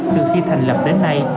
từ khi thành lập đến nay